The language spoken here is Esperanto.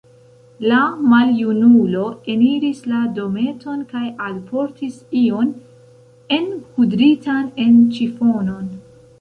La maljunulo eniris la dometon kaj alportis ion enkudritan en ĉifonon.